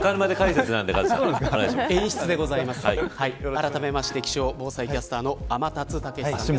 あらためまして気象防災キャスターの天達武史さんです。